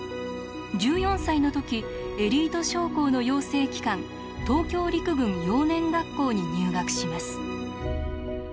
１４歳の時エリート将校の養成機関東京陸軍幼年学校に入学します。